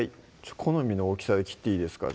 好みの大きさで切っていいですか？